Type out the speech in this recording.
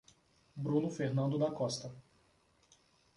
Bruno Fernando da Costa